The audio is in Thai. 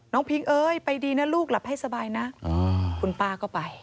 พิงเอ้ยไปดีนะลูกหลับให้สบายนะคุณป้าก็ไป